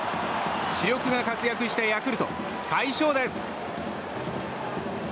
主力が活躍したヤクルト快勝です。